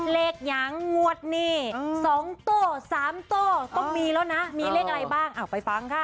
เล็กอย่างงวดนี่๒ตัว๓ตัวต้องมีแล้วนะมีเลขอะไรบ้างไปฟังค่ะ